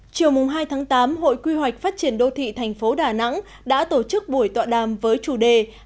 chiều hai tháng tám hội quy hoạch phát triển đô thị thành phố đà nẵng đã tổ chức buổi tọa đàm với chủ đề